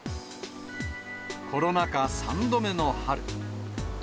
コロナ禍３度目の春。